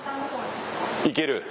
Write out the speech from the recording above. いける？